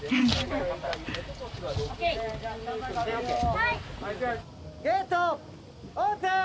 はい・ゲートオープン！